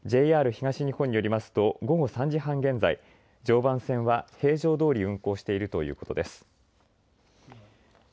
ＪＲ東日本によりますと午後３時半現在、常磐線は平常どおり運行しているということです。